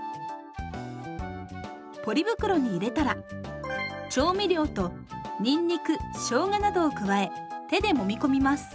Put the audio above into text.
ポリ袋に入れたら調味料とにんにくしょうがなどを加え手でもみ込みます。